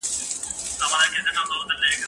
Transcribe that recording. زه بايد کتابتون ته راشم!.